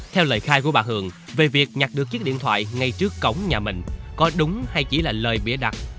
theo lời khai của bà hường về việc nhặt được chiếc điện thoại ngay trước cổng nhà mình có đúng hay chỉ là lời bịa đặt